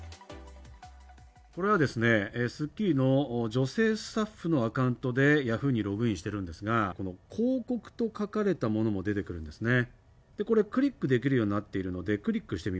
これは『スッキリ』の女性スタッフのアカウントでＹａｈｏｏ！にログインしているんですが、広告と書かれたものも出てくるんですね。